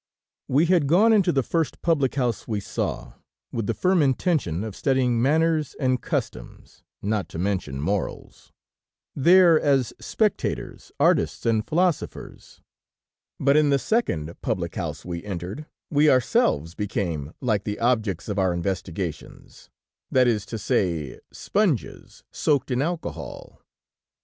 We had gone into the first public house we saw, with the firm intention of studying manners and customs, not to mention morals, there as spectators, artists and philosophers, but in the second public house we entered, we ourselves became like the objects of our investigations, that is to say, sponges soaked in alcohol.